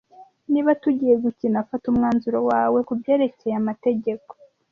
Niba tugiye gukina, fata umwanzuro wawe kubyerekeye amategeko!